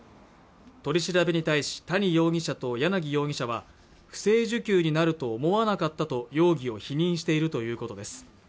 取り調べに対し谷容疑者と柳容疑者は不正受給になると思わなかったと容疑を否認しているということです